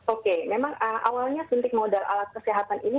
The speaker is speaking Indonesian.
oke memang awalnya suntik modal alat kesehatan ini